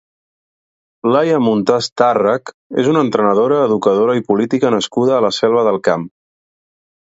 Laia Muntas Tàrrech és una entrenadora, educadora i política nascuda a la Selva del Camp.